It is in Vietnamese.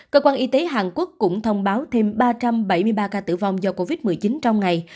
cơ quan y tế hàn quốc cũng thông báo thêm ba trăm bảy mươi ba ca tử vong do covid một mươi chín trong ngày